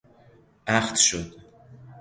اخت شد